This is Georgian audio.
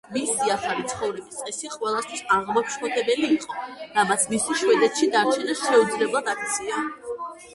მისი ახალი ცხოვრების წესი ყველასათვის აღმაშფოთებელი იყო, რამაც მისი შვედეთში დარჩენა შეუძლებლად აქცია.